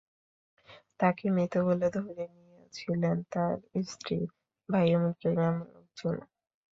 তাকে মৃত বলে ধরে নিয়েছিলেন তার স্ত্রী, ভাই, এমনকি গ্রামের লোকজনও।